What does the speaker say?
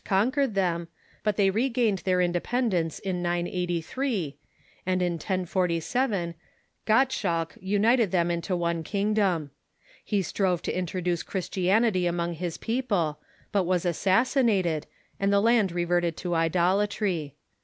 conquered them, but they regained their independence in 983, and in 1047 Gott schalk united them into one kingdom. He strove to introduce Christianity among his people, but was assassinated, and the land reverted to idolatiy.